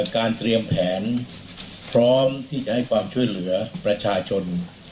การเตรียมแผนพร้อมที่จะให้ความช่วยเหลือประชาชน